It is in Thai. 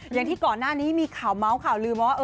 อย่างที่ก่อนหน้านี้มีข่าวเมาส์ข่าวลืมว่า